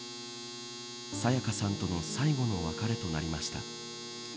沙也加さんとの最後の別れとなりました。